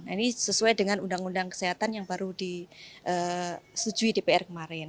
ini sesuai dengan undang undang kesehatan yang baru disetujui dpr kemarin